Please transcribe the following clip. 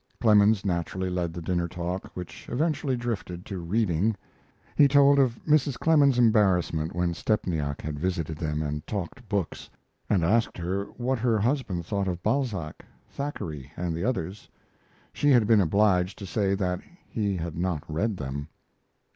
Clemens naturally led the dinner talk, which eventually drifted to reading. He told of Mrs. Clemens's embarrassment when Stepniak had visited them and talked books, and asked her what her husband thought of Balzac, Thackeray, and the others. She had been obliged to say that he had not read them.